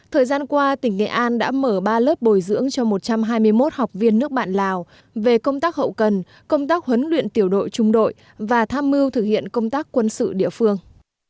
thời gian qua tỉnh nghệ an đã mở ba lớp bồi dưỡng cho một trăm hai mươi một học viên nước bạn lào về công tác hậu cần công tác huấn luyện tiểu đội trung đội và tham mưu thực hiện công tác quân sự địa phương